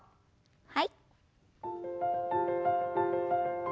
はい。